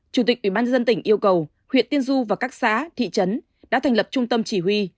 chủ tịch ubnd tỉnh yêu cầu huyện tiên du và các xã thị trấn đã thành lập trung tâm chỉ huy